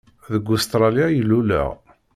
Deg Ustṛalya ay luleɣ.